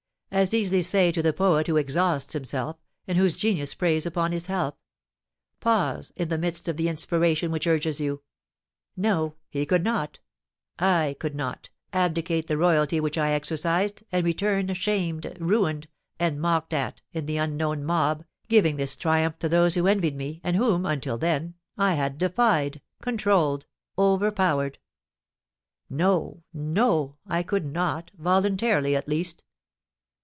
As easily say to the poet who exhausts himself, and whose genius preys upon his health, 'Pause in the midst of the inspiration which urges you!' No! He could not I could not, abdicate the royalty which I exercised, and return shamed, ruined, and mocked at, into the unknown mob, giving this triumph to those who envied me, and whom, until then, I had defied, controlled, overpowered! No! No! I could not, voluntarily, at least.